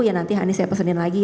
ya nanti hanis saya pesenin lagi